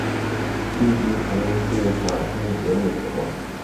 积极从事反清革命活动。